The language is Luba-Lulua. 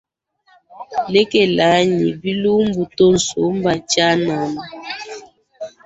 Lekelayi bilumbu tusombe tshianana.